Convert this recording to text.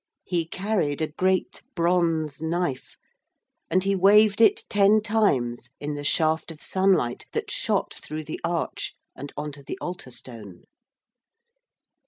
He carried a great bronze knife, and he waved it ten times in the shaft of sunlight that shot through the arch and on to the altar stone.